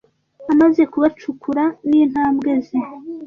amaze kubacukura n'intambwe ze